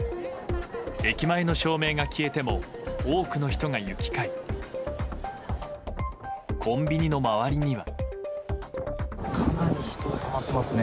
駅前の照明が消えても多くの人が行き交いコンビニの周りには。